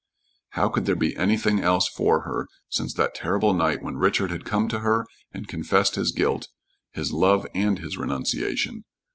How could there be anything else for her since that terrible night when Richard had come to her and confessed his guilt his love and his renunciation!